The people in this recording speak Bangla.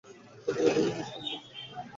জাকারিয়া বইটি শেষ করেছেন।